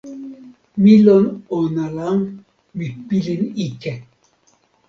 mi lon ona la, mi pilin ike.